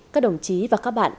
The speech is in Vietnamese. các đồng chí và các bạn